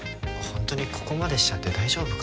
ホントにここまでしちゃって大丈夫かな。